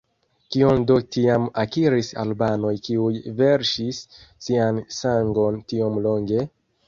Kion do tiam akiris albanoj kiuj verŝis sian sangon tiom longe?